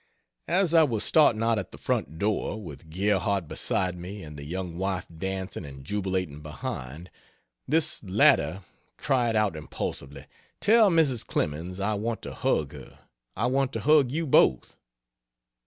As I was starting out at the front door, with Gerhardt beside me and the young wife dancing and jubilating behind, this latter cried out impulsively, "Tell Mrs. Clemens I want to hug her I want to hug you both!"